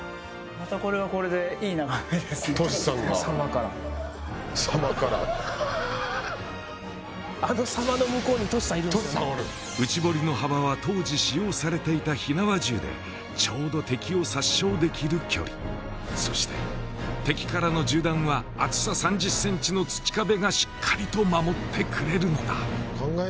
またこれはこれでいい眺めですねとしさんが狭間からあの狭間の向こうにとしさんいるとしさんおる内堀の幅は当時使用されていた火縄銃でちょうど敵を殺傷できる距離そして敵からの銃弾は厚さ３０ｃｍの土壁がしっかりと守ってくれるのだああ